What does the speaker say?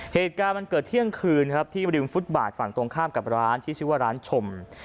เหตุการณ์มันเกิดเที่ยงคืนครับที่ริมฟุตบาทฝั่งตรงข้ามกับร้านที่ชื่อว่าร้านชม